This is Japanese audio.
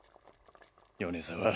米沢。